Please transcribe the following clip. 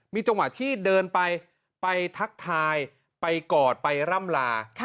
มีจังหวะที่เดินไปไปทักทายไปกอดไปร่ำลา